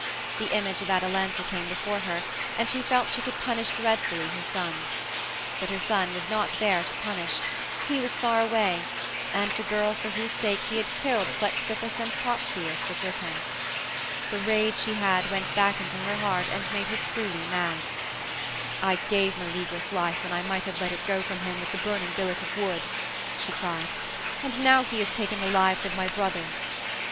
The image of Atalanta came before her, and she felt she could punish dreadfully her son. But her son was not there to punish; he was far away, and the girl for whose sake he had killed Plexippus and Toxeus was with him. The rage she had went back into her heart and made her truly mad. "I gave Meleagrus life when I might have let it go from him with the burning billet of wood," she cried, "and now he has taken the lives of my brothers."